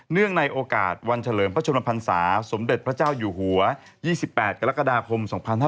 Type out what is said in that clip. ในโอกาสวันเฉลิมพระชนมพันศาสมเด็จพระเจ้าอยู่หัว๒๘กรกฎาคม๒๕๕๙